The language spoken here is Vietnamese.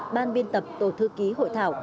ban biên tập tổ thư ký hội thảo